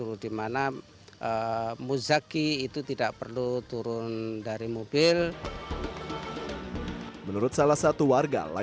jadi saya lebih aman lewat drive thru saja